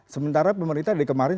sementara pemerintah dari kemarin